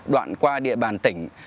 đoạn qua địa bàn tỉnh